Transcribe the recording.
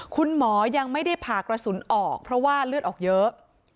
คุณหมอยังไม่ได้ผ่ากระสุนออกเพราะว่าเลือดออกเยอะ